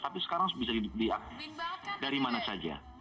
tapi sekarang bisa diakses dari mana saja